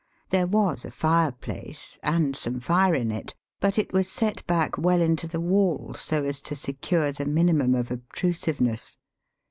There was a fireplace and some fire in it, but it was set back well into the wall, so as to secure the minimum of obtru siveness.